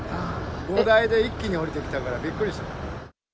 ５台で一気に降りてきたから、びっくりした。